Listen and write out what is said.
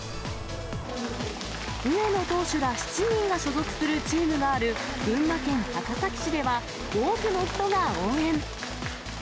上野投手ら７人が所属するチームがある群馬県高崎市では、多くの人が応援。